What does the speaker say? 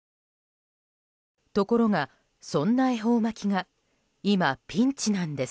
ところがそんな恵方巻きが今、ピンチなんです。